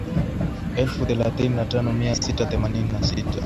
elfu thelathini na tano mia sita themanini na sita